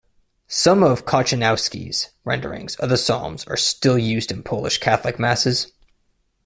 Some of Kochanowski's renderings of the Psalms are still used in Polish Catholic masses.